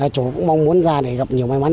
cháu cũng mong muốn ra để gặp nhiều may mắn